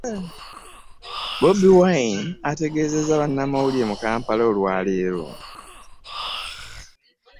Bobi Wine ategeezezza bannamawulire mu Kampala olwa leero